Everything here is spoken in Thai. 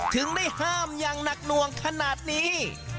ถึงได้ห้ามอย่างหนักหน่วงขนาดนี้